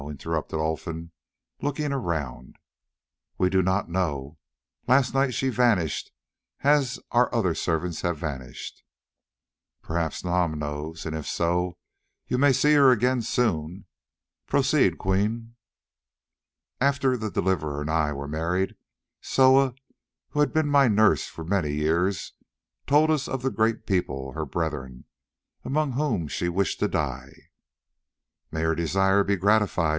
interrupted Olfan, looking round. "We do not know; last night she vanished as our other servants have vanished." "Perhaps Nam knows, and if so you may see her again soon. Proceed, Queen." "After the Deliverer and I were married, Soa, who had been my nurse for many years, told us of the Great People her brethren, among whom she wished to die." "May her desire be gratified!"